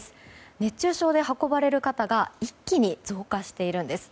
熱中症で運ばれる方が一気に増加しているんです。